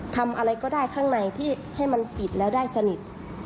ทำอะไรก็ได้ข้างในที่ให้มันปิดแล้วได้สนิท